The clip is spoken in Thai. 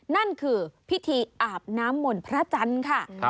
นั่นคือพิธีอาบน้ำมนต์พระจันทร์ค่ะ